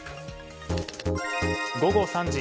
午後３時。